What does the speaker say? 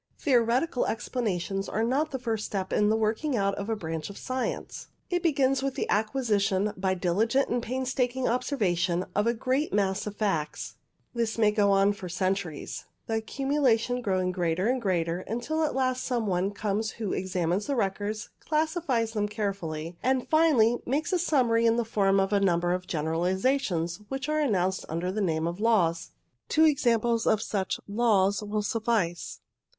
Theoretical explanations are not the first step in the working out of a branch of science. It begins with the acquisition, by diligent and painstaking observation, of a great mass of facts. This may go on for centuries, the accumulation growing greater and greater, until at last some one comes who examines the records, classifies them carefully, and 4 INTRODUCTORY finally makes a summary in the form of a number of generalizations, which are announced under the name of Laws. Two examples of such "Laws" will suffice.